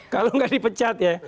kalau gak dipecat ya